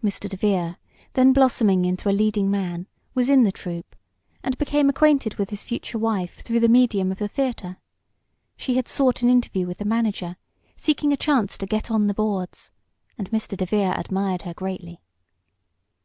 Mr. DeVere, then blossoming into a leading man, was in the troupe, and became acquainted with his future wife through the medium of the theater. She had sought an interview with the manager, seeking a chance to "get on the boards," and Mr. DeVere admired her greatly.